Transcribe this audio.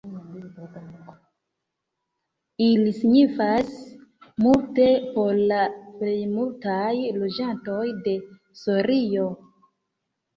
Ili signifas multe por la plejmultaj loĝantoj de Sorio.